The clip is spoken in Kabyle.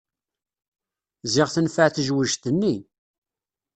Ziɣ tenfeε tejwejt-nni.